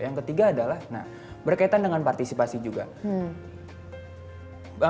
yang ketiga adalah berkaitan dengan partisipasi juga